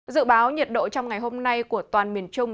dự báo nhiệt độ trong ngày hôm nay của toàn miền trung